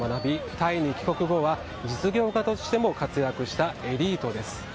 タイに帰国後は実業家としても活躍したエリートです。